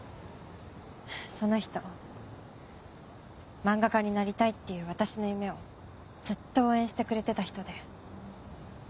その人漫画家になりたいっていう私の夢をずっと応援してくれてた人で。